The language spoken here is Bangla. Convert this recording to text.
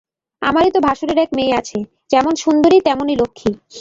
আমারই তো ভাসুরের এক মেয়ে আছে, যেমন সুন্দরী তেমনি লক্ষ্মী।